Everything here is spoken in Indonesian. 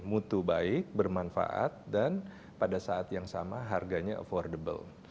mutu baik bermanfaat dan pada saat yang sama harganya affordable